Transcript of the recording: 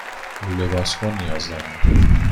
لوله بازکن نیاز دارم.